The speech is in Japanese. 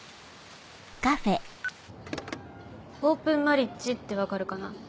オープンマリッジって分かるかな？